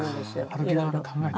歩きながら考えてた。